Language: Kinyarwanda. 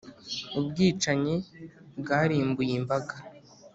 ubwicanyi bwarimbuye imbaga.